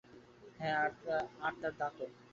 হ্যাঁ, আর তার দাঁতও!